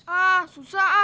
ah susah ah